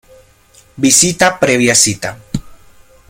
Visita previa cita.